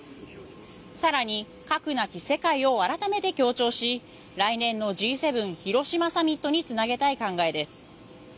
更に、核なき世界を改めて強調し来年のＧ７広島サミットにつなげたい考えです。